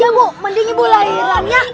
ya bu mending ibu lahirin ya